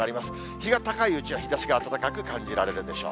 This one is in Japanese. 日が高いうちは日ざしが暖かく感じられるでしょう。